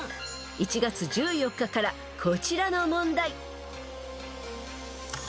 ［１月１４日からこちらの問題］